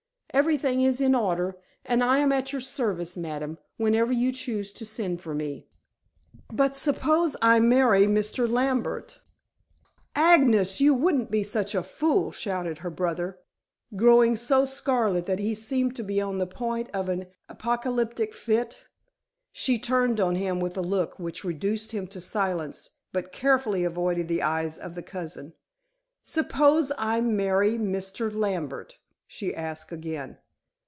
Everything is in order, and I am at your service, madam, whenever you choose to send for me." "But suppose I marry Mr. Lambert " "Agnes, you won't be such a fool!" shouted her brother, growing so scarlet that he seemed to be on the point of an apoplectic fit. She turned on him with a look, which reduced him to silence, but carefully avoided the eyes of the cousin. "Suppose I marry Mr. Lambert?" she asked again.